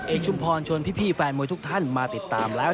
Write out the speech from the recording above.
ชุมพรชวนพี่แฟนมวยทุกท่านมาติดตามแล้ว